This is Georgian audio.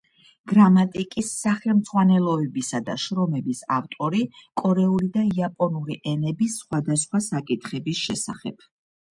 გრამატიკის სახელმძღვანელოებისა და შრომების ავტორი კორეული და იაპონური ენების სხვადასხვა საკითხების შესახებ.